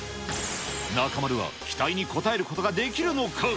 中丸は期待に応えることができるのか。